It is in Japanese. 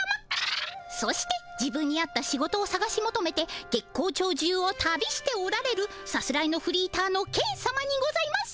そして自分に合った仕事をさがしもとめて月光町中を旅しておられるさすらいのフリーターのケンさまにございます。